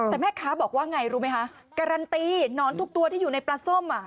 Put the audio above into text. แต่แม่ค้าบอกว่าไงรู้ไหมคะการันตีหนอนทุกตัวที่อยู่ในปลาส้ม